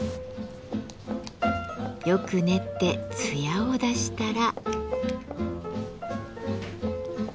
よく練ってつやを出したら。